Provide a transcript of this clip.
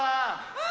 うん？